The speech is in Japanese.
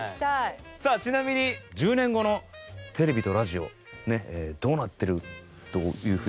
さあちなみに１０年後のテレビとラジオどうなってるという風にお考えですか？